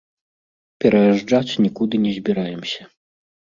Пераязджаць нікуды не збіраемся.